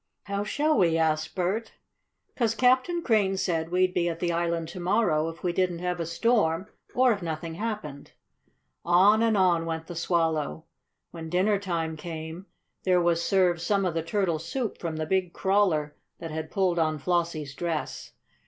"How shall we?" asked Bert. "'Cause Captain Crane said we'd be at the island to morrow if we didn't have a storm, or if nothing happened." On and on went the Swallow. When dinner time came there was served some of the turtle soup from the big crawler that had pulled on Flossie's dress.